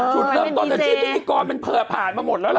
อ๋อชุดเริ่มต้นแต่ที่บิงกรมันเผลอผ่านมาหมดแล้วล่ะ